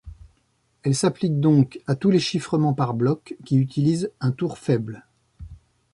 Elle s'applique donc à tous les chiffrements par blocs qui utilisent un tour faible.